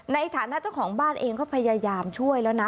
ในฐานะเจ้าของบ้านเองก็พยายามช่วยแล้วนะ